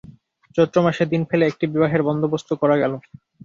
চৈত্রমাসে দিন ফেলিয়া একটা বিবাহের বন্দোবস্ত করা গেল।